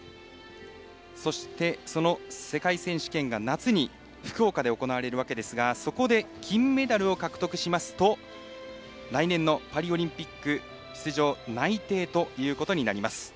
そして、その世界選手権が夏に福岡で行われるわけですがそこで銀メダルを獲得しますと来年のパリオリンピック出場内定ということになります。